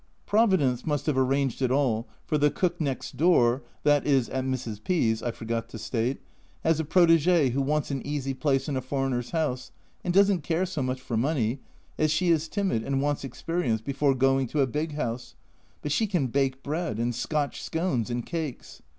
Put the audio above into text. Providence must have arranged it all, for the cook next door (that is at Mrs. P 's, I forgot to state) has a protegee who wants an easy place in a foreigner's house, and doesn't care so much for money, as she is timid and wants experience before going to a big house but she can bake bread and Scotch scones and cakes